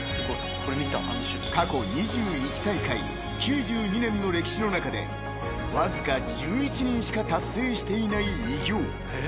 ［過去２１大会９２年の歴史の中でわずか１１人しか達成していない偉業］